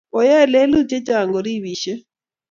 koyae lelut chechang koribishe